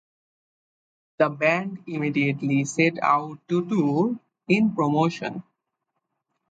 The band immediately set out to tour in promotion.